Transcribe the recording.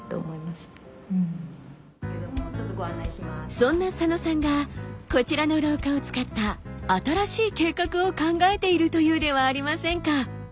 そんな佐野さんがこちらの廊下を使った新しい計画を考えているというではありませんか。